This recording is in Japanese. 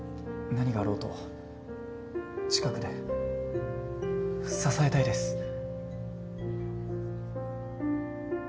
何があろうと近くで支えたいです。